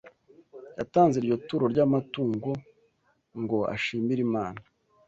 Yatanze iryo turo ry’amatungo ngo ashimire Imana